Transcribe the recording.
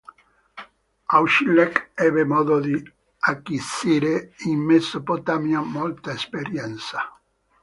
Auchinleck ebbe modo di acquisire in Mesopotamia molta esperienza.